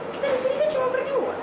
kita di sini kan cuma berdua